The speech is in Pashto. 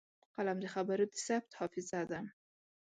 قلم د خبرو د ثبت حافظه ده